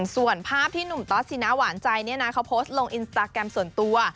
ส่วนภาพที่หนุ่มตอสสินะหวานใจเนี่ยนะเขาโพสต์ลงอินสตาแกรมส่วนตัว